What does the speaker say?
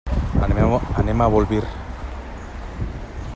Anem a Bolvir.